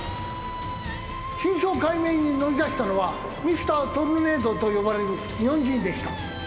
真相解明に乗り出したのはＭｒ．トルネードと呼ばれる日本人でした。